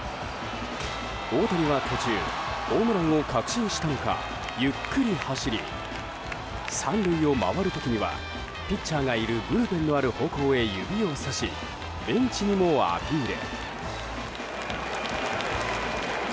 大谷は途中ホームランを確信したのかゆっくり走り３塁を回る時にはピッチャーがいるブルペンのある方向へ指をさしベンチにもアピール。